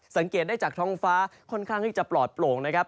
สังเกตได้จากท้องฟ้าค่อนข้างที่จะปลอดโปร่งนะครับ